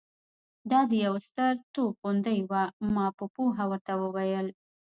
دا د یوه ستر توپ توغندۍ وه. ما په پوهه ورته وویل.